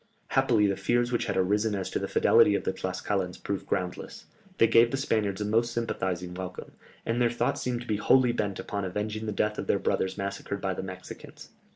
Happily the fears which had arisen as to the fidelity of the Tlascalans proved groundless. They gave the Spaniards a most sympathizing welcome, and their thoughts seemed to be wholly bent upon avenging the death of their brothers massacred by the Mexicans.